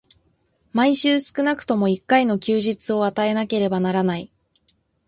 毎週少くとも一回の休日を与えなければならない。